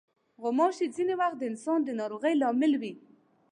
غوماشې ځینې وخت د انسان د ناروغۍ لامل وي.